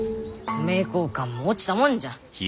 名教館も落ちたもんじゃ。